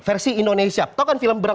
versi indonesia tahu kan film